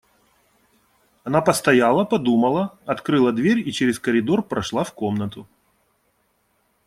Она постояла, подумала, открыла дверь и через коридор прошла в комнату.